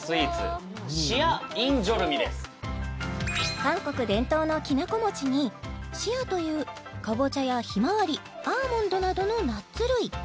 韓国伝統のきなこ餅に「シアッ」というかぼちゃやひまわりアーモンドなどのナッツ類